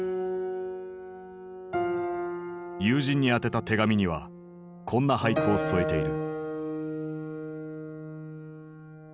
友人に宛てた手紙にはこんな俳句を添えている。